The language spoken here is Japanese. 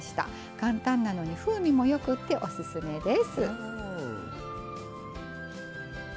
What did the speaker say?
簡単なのに風味もよくてオススメです。